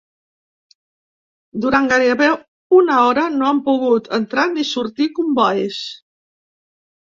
Durant gairebé una hora no han pogut entrar ni sortir combois.